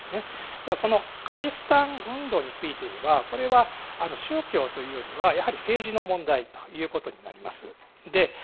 ただ、カリスタン運動についてはこれは宗教というよりはやはり政治の問題ということになります。